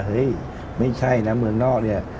เฮ้ยไม่ใช่นะเมืองนอกเนี่ย